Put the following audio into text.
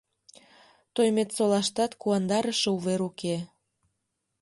Тойметсолаштат куандарыше увер уке.